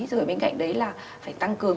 rồi bên cạnh đấy là phải tăng cường